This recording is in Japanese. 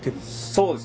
そうですね